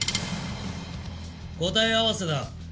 答え合わせだ。